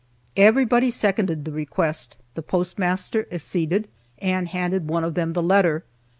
Everybody seconded the request, the postmaster acceded, and handed one of them the letter.